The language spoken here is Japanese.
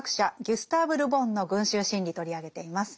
ギュスターヴ・ル・ボンの「群衆心理」取り上げています。